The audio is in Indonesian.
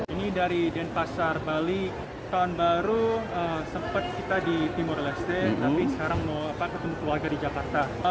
ini dari denpasar bali tahun baru sempat kita di timur leste tapi sekarang mau ketemu keluarga di jakarta